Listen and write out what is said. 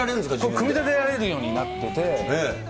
組み立てられるようになってて。